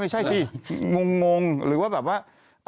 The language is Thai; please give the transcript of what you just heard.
ไม่ใช่สิงงหรือว่าแบบว่า